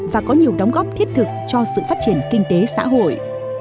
và có nhiều đóng góp thiết thực cho sự phát triển kinh tế xã hội